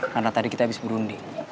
karena tadi kita habis berunding